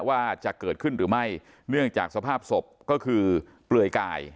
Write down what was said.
ว่าจะเกิดขึ้นหรือไม่เนื่องจากสภาพศพก็คือเปลือยกาย